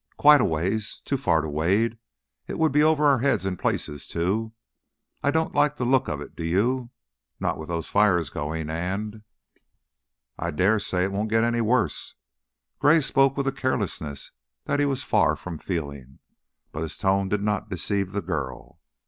"Quite a ways. Too far to wade. It would be over our heads in places, too. I don't like the look of it, do you? Not with those fires going, and " "I dare say it won't get any worse." Gray spoke with a carelessness that he was far from feeling, but his tone did not deceive the girl.